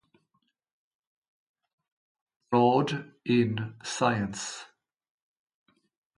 Broad in "Science".